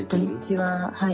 はい。